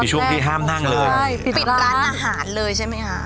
ช่วงที่ห้ามนั่งเลยใช่ปิดร้านอาหารเลยใช่ไหมคะ